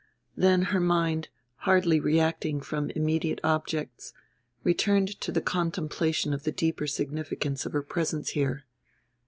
Then her mind, hardly reacting from immediate objects, returned to the contemplation of the deeper significance of her presence here.